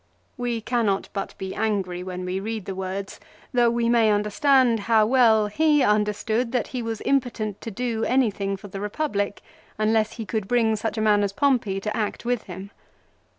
"We cannot but be angry when we read the words though we may understand how well he understood that he was impotent to do anything for the Eepublic unless he could bring such a man as Pompey to act with him.